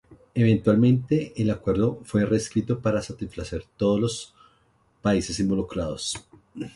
Eventualmente el acuerdo fue reescrito para satisfacer a todos los países involucrados.